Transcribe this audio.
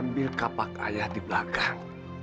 ambil kapak ayah di belakang